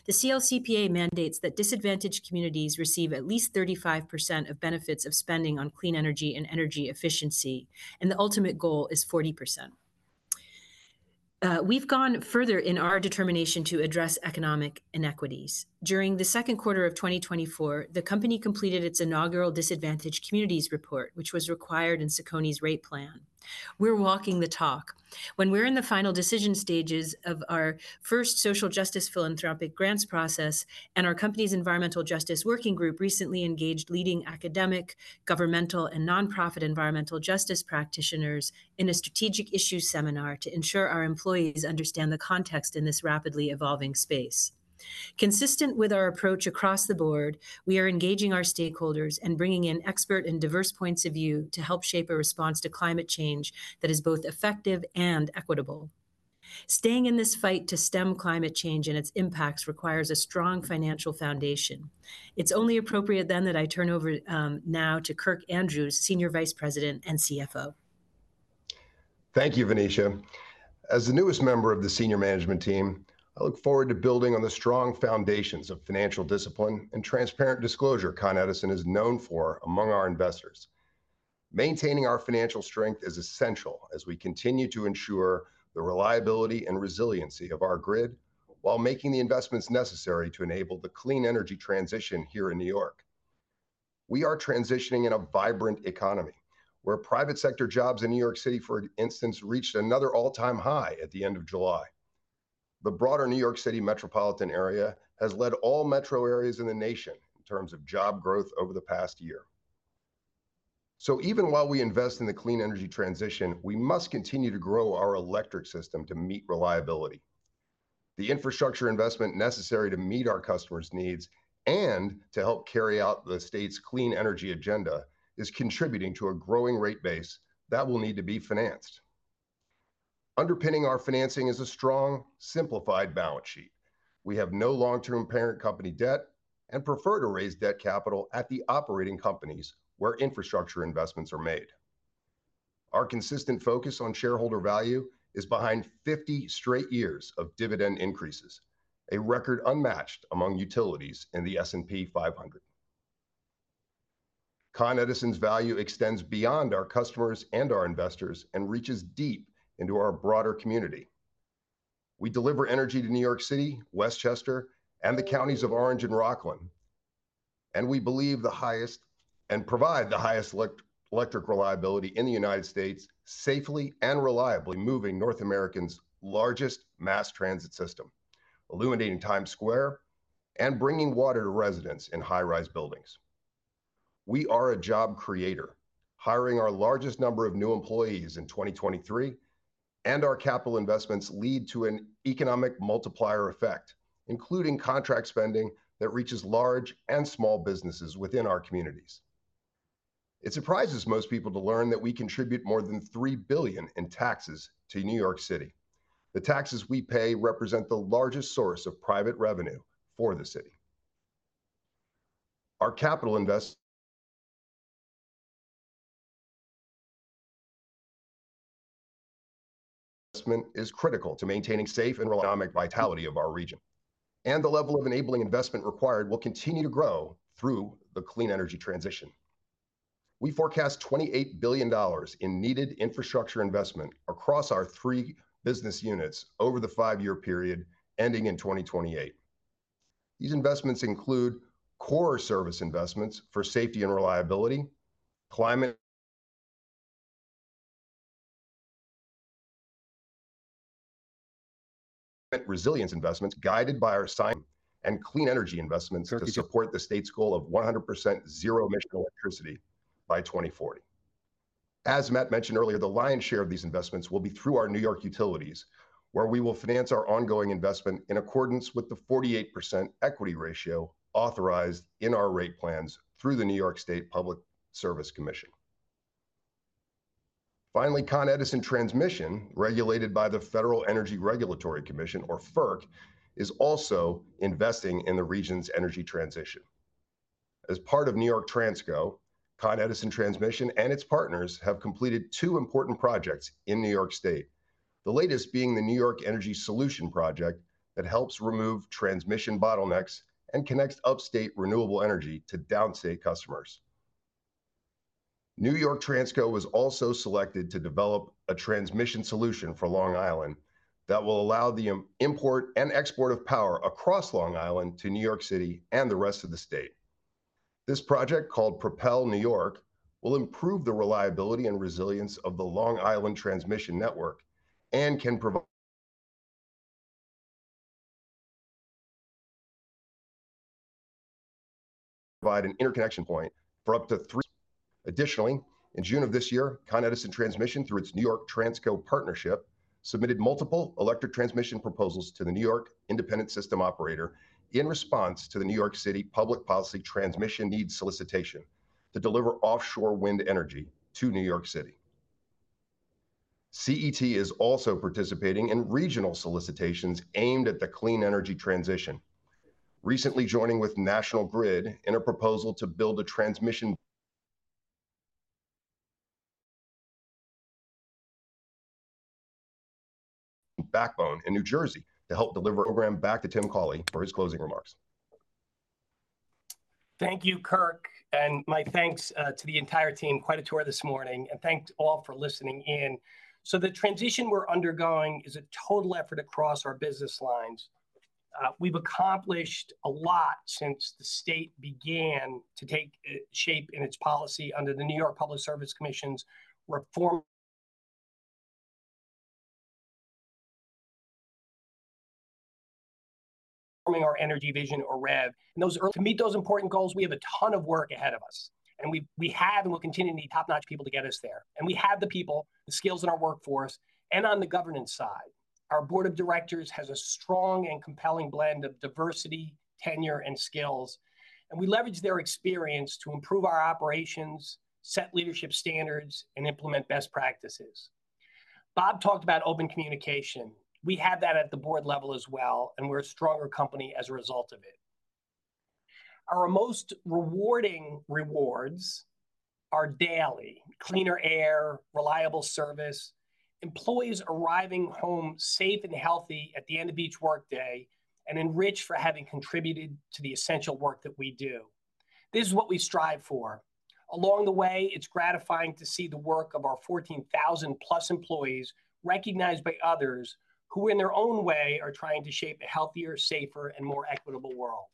The CLCPA mandates that disadvantaged communities receive at least 35% of benefits of spending on clean energy and energy efficiency, and the ultimate goal is 40%. We've gone further in our determination to address economic inequities. During the second quarter of 2024, the company completed its inaugural Disadvantaged Communities Report, which was required in CECONY's rate plan. We're walking the talk when we're in the final decision stages of our first social justice philanthropic grants process, and our company's Environmental Justice Working Group recently engaged leading academic, governmental, and nonprofit environmental justice practitioners in a strategic issue seminar to ensure our employees understand the context in this rapidly evolving space. Consistent with our approach across the board, we are engaging our stakeholders and bringing in expert and diverse points of view to help shape a response to climate change that is both effective and equitable. Staying in this fight to stem climate change and its impacts requires a strong financial foundation. It's only appropriate then, that I turn over, now to Kirk Andrews, Senior Vice President and CFO. Thank you, Venetia. As the newest member of the senior management team, I look forward to building on the strong foundations of financial discipline and transparent disclosure Con Edison is known for among our investors. Maintaining our financial strength is essential as we continue to ensure the reliability and resiliency of our grid, while making the investments necessary to enable the clean energy transition here in New York. We are transitioning in a vibrant economy, where private sector jobs in New York City, for instance, reached another all-time high at the end of July. The broader New York City metropolitan area has led all metro areas in the nation in terms of job growth over the past year. So even while we invest in the clean energy transition, we must continue to grow our electric system to meet reliability. The infrastructure investment necessary to meet our customers' needs and to help carry out the state's clean energy agenda is contributing to a growing rate base that will need to be financed. Underpinning our financing is a strong, simplified balance sheet. We have no long-term parent company debt and prefer to raise debt capital at the operating companies, where infrastructure investments are made. Our consistent focus on shareholder value is behind fifty straight years of dividend increases, a record unmatched among utilities in the S&P 500. Con Edison's value extends beyond our customers and our investors and reaches deep into our broader community. We deliver energy to New York City, Westchester, and the counties of Orange and Rockland, and we believe the highest and provide the highest electric reliability in the United States, safely and reliably moving North America's largest mass transit system, illuminating Times Square, and bringing water to residents in high-rise buildings. We are a job creator, hiring our largest number of new employees in 2023, and our capital investments lead to an economic multiplier effect, including contract spending that reaches large and small businesses within our communities. It surprises most people to learn that we contribute more than $3 billion in taxes to New York City. The taxes we pay represent the largest source of private revenue for the city. Our capital investment is critical to maintaining safe and economic vitality of our region, and the level of enabling investment required will continue to grow through the clean energy transition. We forecast $28 billion in needed infrastructure investment across our three business units over the five-year period, ending in 2028. These investments include core service investments for safety and reliability, climate resilience investments, guided by our science, and clean energy investments to support the state's goal of 100% zero emission electricity by 2040. As Matt mentioned earlier, the lion's share of these investments will be through our New York utilities, where we will finance our ongoing investment in accordance with the 48% equity ratio authorized in our rate plans through the New York State Public Service Commission. Finally, Con Edison Transmission, regulated by the Federal Energy Regulatory Commission, or FERC, is also investing in the region's energy transition. As part of New York Transco, Con Edison Transmission and its partners have completed two important projects in New York State, the latest being the New York Energy Solution project that helps remove transmission bottlenecks and connects upstate renewable energy to downstate customers. New York Transco was also selected to develop a transmission solution for Long Island that will allow the import and export of power across Long Island to New York City and the rest of the state. This project, called Propel New York, will improve the reliability and resilience of the Long Island transmission network and can provide... provide an interconnection point for up to three. Additionally, in June of this year, Con Edison Transmission, through its New York Transco partnership, submitted multiple electric transmission proposals to the New York Independent System Operator in response to the New York City public policy transmission needs solicitation to deliver offshore wind energy to New York City. CET is also participating in regional solicitations aimed at the clean energy transition, recently joining with National Grid in a proposal to build a transmission backbone in New Jersey to help deliver. Over now back to Tim Cawley for his closing remarks. Thank you, Kirk, and my thanks to the entire team. Quite a tour this morning, and thanks to all for listening in. So the transition we're undergoing is a total effort across our business lines. We've accomplished a lot since the state began to take shape in its policy under the New York Public Service Commission's Reforming the Energy Vision, or REV. To meet those important goals, we have a ton of work ahead of us, and we have and will continue to need top-notch people to get us there. And we have the people, the skills in our workforce, and on the governance side. Our board of directors has a strong and compelling blend of diversity, tenure, and skills, and we leverage their experience to improve our operations, set leadership standards, and implement best practices. Bob talked about open communication. We have that at the board level as well, and we're a stronger company as a result of it. Our most rewarding rewards are daily: cleaner air, reliable service, employees arriving home safe and healthy at the end of each workday, and enriched for having contributed to the essential work that we do. This is what we strive for. Along the way, it's gratifying to see the work of our 14,000-plus employees recognized by others, who, in their own way, are trying to shape a healthier, safer, and more equitable world.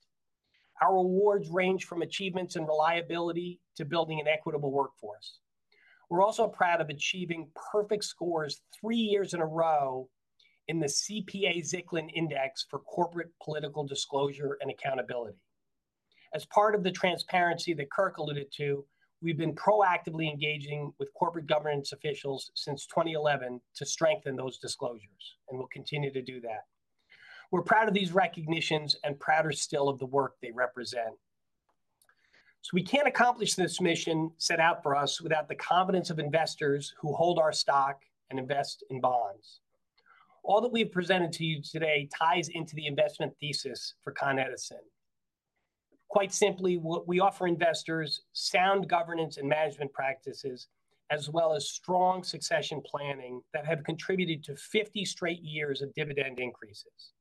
Our awards range from achievements in reliability to building an equitable workforce. We're also proud of achieving perfect scores three years in a row in the CPA-Zicklin Index for Corporate Political Disclosure and Accountability. As part of the transparency that Kirk alluded to, we've been proactively engaging with corporate governance officials since 2011 to strengthen those disclosures, and we'll continue to do that. We're proud of these recognitions and prouder still of the work they represent. So we can't accomplish this mission set out for us without the confidence of investors who hold our stock and invest in bonds. All that we've presented to you today ties into the investment thesis for Con Edison. Quite simply, what we offer investors sound governance and management practices, as well as strong succession planning that have contributed to 50 straight years of dividend increases.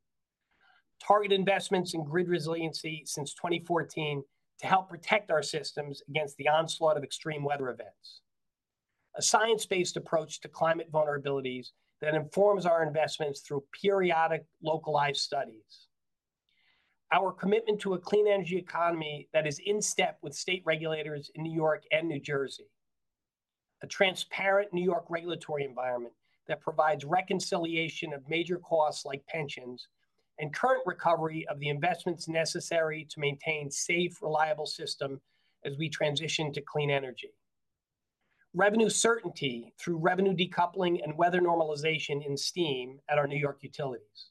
Target investments in grid resiliency since 2014 to help protect our systems against the onslaught of extreme weather events. A science-based approach to climate vulnerabilities that informs our investments through periodic localized studies. Our commitment to a clean energy economy that is in step with state regulators in New York and New Jersey. A transparent New York regulatory environment that provides reconciliation of major costs, like pensions, and current recovery of the investments necessary to maintain safe, reliable system as we transition to clean energy. Revenue certainty through revenue decoupling and weather normalization in steam at our New York utilities,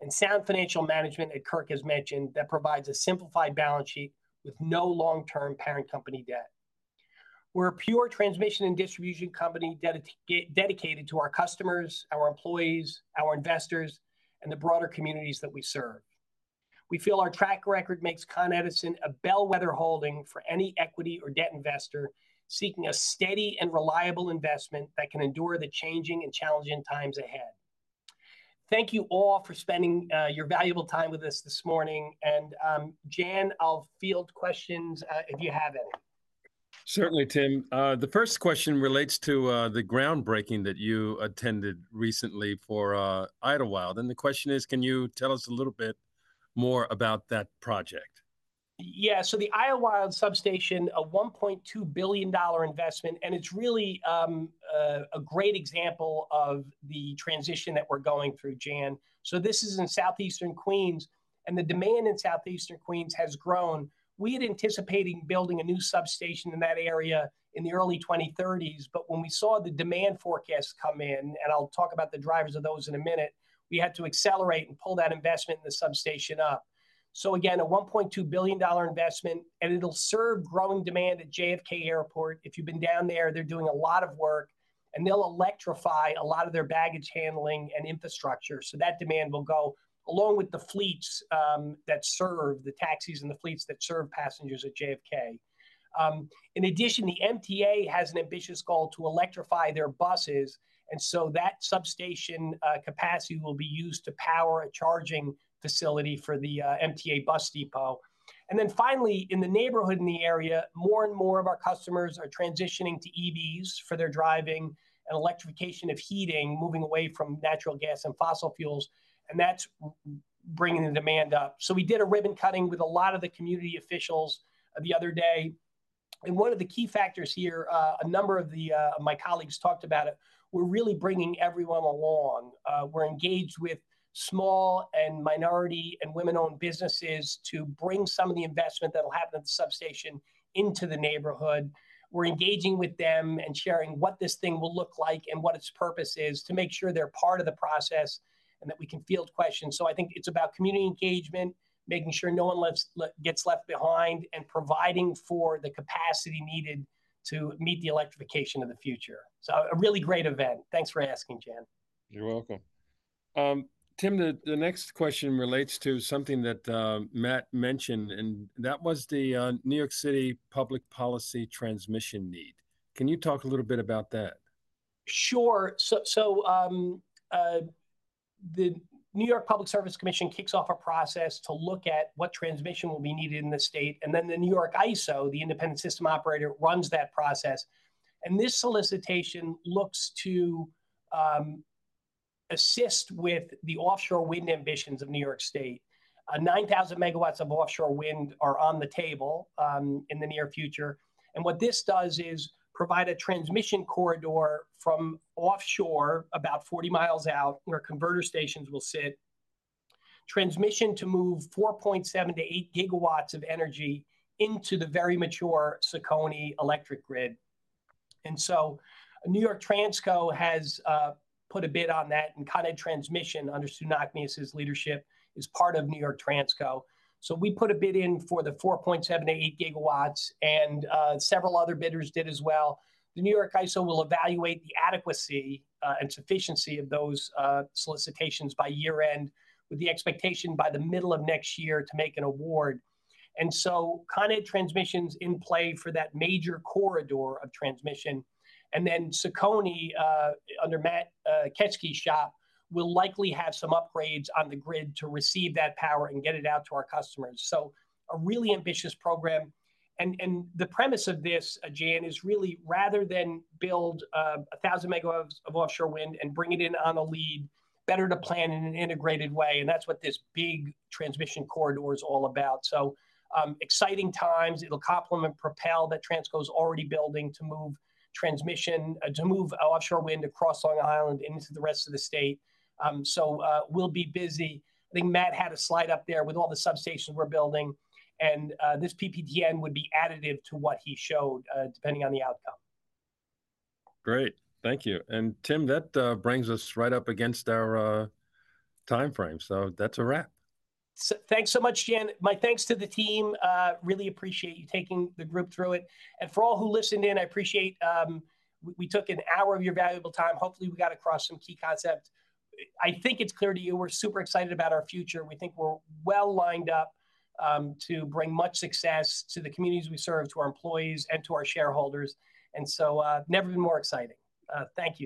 and sound financial management, that Kirk has mentioned, that provides a simplified balance sheet with no long-term parent company debt. We're a pure transmission and distribution company dedicated to our customers, our employees, our investors, and the broader communities that we serve. We feel our track record makes Con Edison a bellwether holding for any equity or debt investor seeking a steady and reliable investment that can endure the changing and challenging times ahead. Thank you all for spending your valuable time with us this morning, and Jan, I'll field questions if you have any. Certainly, Tim. The first question relates to the groundbreaking that you attended recently for Idlewild, and the question is, can you tell us a little bit more about that project? Yeah, so the Idlewild Substation, a $1.2 billion investment, and it's really a great example of the transition that we're going through, Jan. So this is in southeastern Queens, and the demand in southeastern Queens has grown. We had anticipating building a new substation in that area in the early 2030s, but when we saw the demand forecast come in, and I'll talk about the drivers of those in a minute, we had to accelerate and pull that investment in the substation up. So again, a $1.2 billion investment, and it'll serve growing demand at JFK Airport. If you've been down there, they're doing a lot of work, and they'll electrify a lot of their baggage handling and infrastructure, so that demand will go, along with the fleets that serve the taxis and the fleets that serve passengers at JFK. In addition, the MTA has an ambitious goal to electrify their buses, and so that substation capacity will be used to power a charging facility for the MTA bus depot, and then finally, in the neighborhood in the area, more and more of our customers are transitioning to EVs for their driving, and electrification of heating, moving away from natural gas and fossil fuels, and that's bringing the demand up, so we did a ribbon cutting with a lot of the community officials the other day, and one of the key factors here, a number of my colleagues talked about it, we're really bringing everyone along. We're engaged with small, and minority, and women-owned businesses to bring some of the investment that'll happen at the substation into the neighborhood. We're engaging with them and sharing what this thing will look like and what its purpose is, to make sure they're part of the process, and that we can field questions. So I think it's about community engagement, making sure no one gets left behind, and providing for the capacity needed to meet the electrification of the future. So a really great event. Thanks for asking, Jan. You're welcome. Tim, the next question relates to something that Matt mentioned, and that was the New York City public policy transmission need. Can you talk a little bit about that? Sure. So the New York Public Service Commission kicks off a process to look at what transmission will be needed in the state, and then the New York ISO, the independent system operator, runs that process, and this solicitation looks to assist with the offshore wind ambitions of New York State. 9,000 MW of offshore wind are on the table in the near future, and what this does is provide a transmission corridor from offshore, about 40 mi out, where converter stations will sit, transmission to move 4.7-8 GW of energy into the very mature Con Ed electric grid, and so New York Transco has put a bid on that, and Con Ed Transmission, under Stuart Nachmias's leadership, is part of New York Transco. We put a bid in for the 4.7-8 GW, and several other bidders did as well. The New York ISO will evaluate the adequacy and sufficiency of those solicitations by year-end, with the expectation by the middle of next year to make an award, and so Con Ed Transmission's in play for that major corridor of transmission, and then CECONY, under Matt Ketchke's shop, will likely have some upgrades on the grid to receive that power and get it out to our customers. A really ambitious program, and the premise of this, Jan, is really rather than build 1,000 MW of offshore wind and bring it in on a line, better to plan in an integrated way, and that's what this big transmission corridor is all about. Exciting times. It'll complement Propel that Transco's already building to move transmission to move offshore wind across Long Island into the rest of the state. So, we'll be busy. I think Matt had a slide up there with all the substations we're building, and this PPTN would be additive to what he showed, depending on the outcome. Great, thank you. And Tim, that brings us right up against our timeframe, so that's a wrap. Thanks so much, Jan. My thanks to the team. Really appreciate you taking the group through it. And for all who listened in, I appreciate, we took an hour of your valuable time. Hopefully, we got across some key concepts. I, I think it's clear to you, we're super excited about our future, and we think we're well lined up, to bring much success to the communities we serve, to our employees, and to our shareholders. And so, never been more exciting. Thank you.